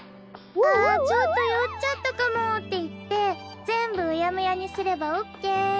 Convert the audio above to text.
ああちょっと酔っちゃったかもって言って全部うやむやにすればオッケー。